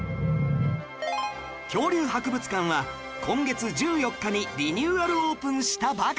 恐竜博物館は今月１４日にリニューアルオープンしたばかり